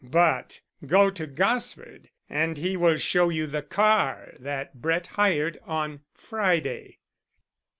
But go to Gosford and he will show you the car that Brett hired on Friday.